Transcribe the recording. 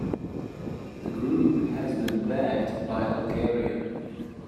The group has been backed by Algeria.